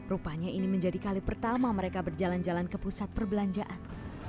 rupanya ini menjadi kali pertama mereka berjalan jalan ke pusat perbelanjaan